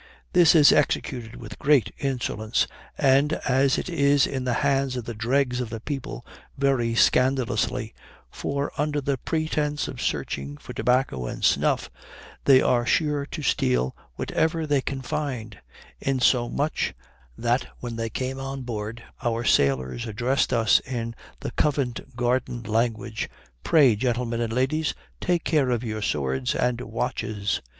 This is executed with great insolence, and, as it is in the hands of the dregs of the people, very scandalously; for, under pretense of searching for tobacco and snuff, they are sure to steal whatever they can find, insomuch that when they came on board our sailors addressed us in the Covent garden language: "Pray, gentlemen and ladies, take care of your swords and watches."